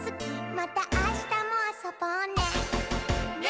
「またあしたもあそぼうね」